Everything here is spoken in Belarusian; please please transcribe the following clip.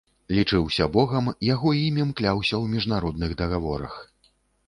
Лічыўся богам, яго імем кляліся ў міжнародных дагаворах.